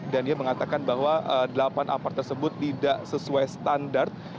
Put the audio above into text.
dan dia mengatakan bahwa delapan apar tersebut tidak sesuai standar